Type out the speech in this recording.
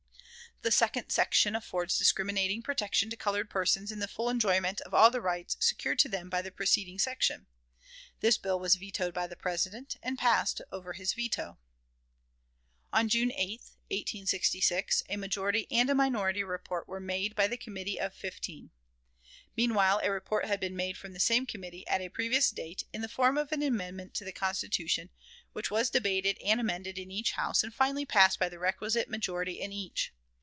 The second section affords discriminating protection to colored persons in the full enjoyment of all the rights secured to them by the preceding section. This bill was vetoed by the President, and passed over his veto. On June 8, 1866, a majority and a minority report were made by the Committee of Fifteen. Meanwhile, a report had been made from the same committee, at a previous date, in the form of an amendment to the Constitution, which was debated and amended in each House, and finally passed by the requisite majority in each.